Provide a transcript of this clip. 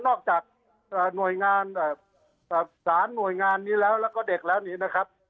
นอกจากหน่วยงานสารหน่วยงานนี้แล้วแล้วก็เด็กแล้วนี้นะครับ